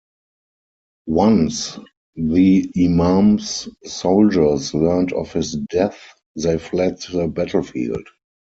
Once the Imam's soldiers learned of his death, they fled the battlefield.